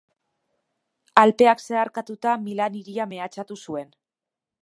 Alpeak zeharkatuta, Milan hiria mehatxatu zuen.